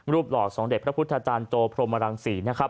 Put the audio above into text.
รูปหล่อสองเด็กพระพุทธจารย์โจพรมรังสี